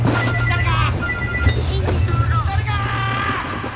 誰か！